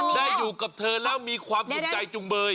ได้อยู่กับเธอแล้วมีความสุขใจจุงเบย